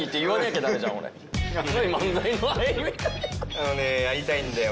あのねやりたいんだよ